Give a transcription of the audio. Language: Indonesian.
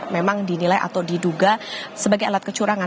memang dinilai atau diduga sebagai alat kecurangan